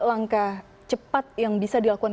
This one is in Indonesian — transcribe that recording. langkah cepat yang bisa dilakukan